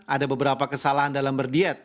ada beberapa kesalahan dalam berdiet